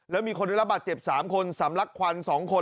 แล้วมีคนละบัดเจ็บ๓คนสำลักควัน๒คน